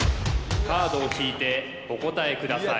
カードを引いてお答えください